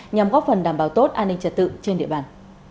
nhằm góp phần đảm bảo tốt an ninh trật tự trên địa bàn